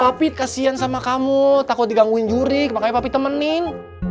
papi kasian sama kamu takut digangguin juri makanya papi temenin